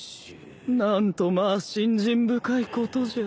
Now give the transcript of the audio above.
何とまあ信心深いことじゃ。